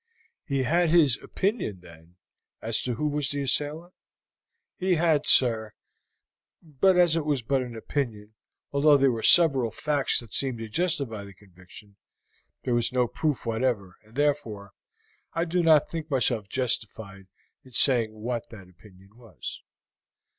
"He had his opinion, then, as to who was his assailant?" "He had, sir, but as it was but an opinion, although there were several facts that seemed to justify the conviction, there was no proof whatever, and therefore I do not think myself justified in saying what that opinion was."